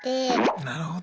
なるほど。